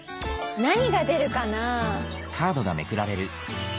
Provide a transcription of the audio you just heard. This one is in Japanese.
何が出るかなあ。